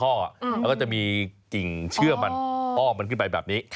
แล้วก็จะมีกิ่งเชื่อมันอ้อมมันขึ้นไปแบบนี้